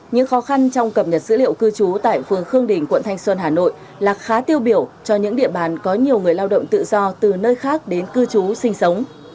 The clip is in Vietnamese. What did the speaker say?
những khó khăn trong cập nhật dữ liệu cư trú tại phường khương đình quận thanh xuân hà nội là khá tiêu biểu cho những địa bàn có nhiều người lao động tự do từ nơi khác đến cư trú sinh sống